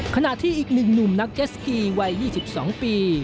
ขณะที่อีกหนึ่งหนุ่มนักเจสกีวัย๒๒ปี